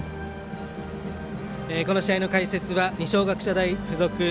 この試合の解説は二松学舎大学付属